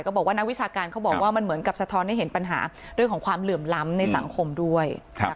บอกว่านักวิชาการเขาบอกว่ามันเหมือนกับสะท้อนให้เห็นปัญหาเรื่องของความเหลื่อมล้ำในสังคมด้วย